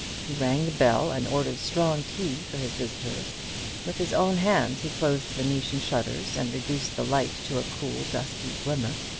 He rang the bell, and ordered strong tea for his visitors. With his own hands he closed the Venetian shutters, and reduced the light to a cool dusky glimmer.